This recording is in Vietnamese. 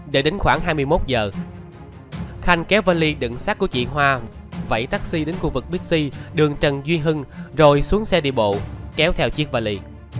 để đến khoảng hai mươi một giờ khanh kéo vali đựng sát của chị hoa vẫy taxi đến khu vực bixi đường trần duy hưng rồi xuống xe đi bộ kéo theo chiếc vali